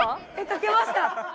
かけました。